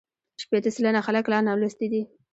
شپېته سلنه خلک لا نالوستي دي.